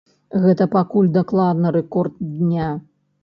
Гэта пакуль дакладна рэкорд дня.